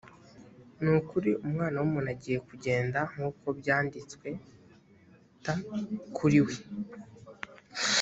ni ukuri umwana w’umuntu agiye kugenda nk’uko byanditswet kuri we.